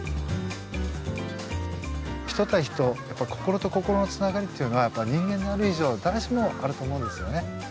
人対人心と心のつながりっていうのはやっぱ人間である以上誰しもあると思うんですよね。